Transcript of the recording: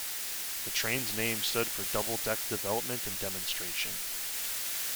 The train's name stood for Double Deck Development and Demonstration.